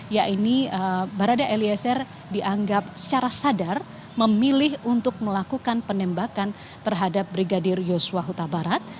yakni barada eliezer dianggap secara sadar memilih untuk melakukan penembakan terhadap brigadir yosua huta barat